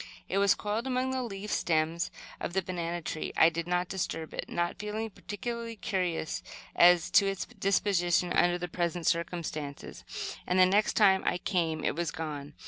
It was coiled among the leaf stems of the banana tree. I did not disturb it, not feeling particularly curious as to its disposition under the present circumstances; and the next time I came it was gone.